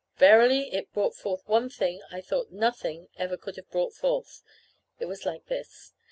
Verily it brought forth one thing I thought nothing ever could have brought forth. It was like this.